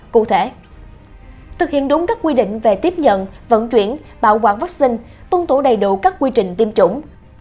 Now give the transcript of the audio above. cụ thể thực hiện đúng các quy định về tiếp nhận vận chuyển bảo quản vaccine tuân thủ đầy đủ các quy trình tiêm chủng